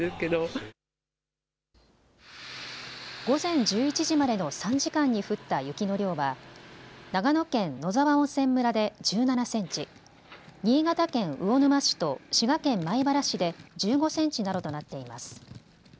午前１１時までの３時間に降った雪の量は長野県野沢温泉村で１７センチ、新潟県魚沼市と滋賀県米原市で１５センチなどとなっています。